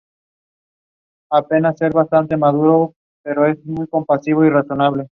Se alimentaban de peces y moluscos.